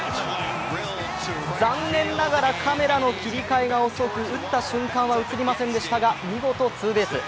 残念ながらカメラの切り替えが遅く、打った瞬間は映りませんでしたが見事ツーベース。